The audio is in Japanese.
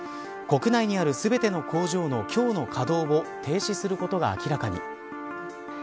国内にある全ての工場の今日の稼働を停止することが明らかに。